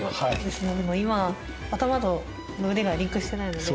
でも今、頭と腕がリンクしてないですね。